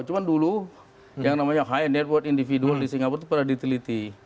cuma dulu yang namanya high network individual di singapura itu pernah diteliti